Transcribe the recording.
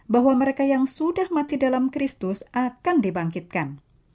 bahwa mereka yang sudah mati dalam kristus akan dibangkitkan